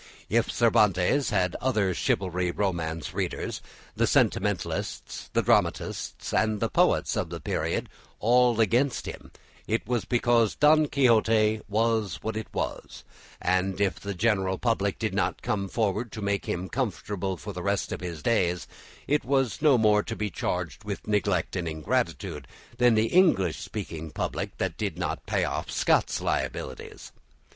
If Cervantes had the chivalry romance readers, the sentimentalists, the dramatists, and the poets of the period all against him, it was because "Don Quixote" was what it was; and if the general public did not come forward to make him comfortable for the rest of his days, it is no more to be charged with neglect and ingratitude than the English speaking public that did not pay off Scott's liabilities.